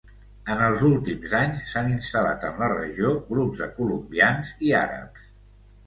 En els últims anys s'han instal·lat en la regió grups de colombians i àrabs.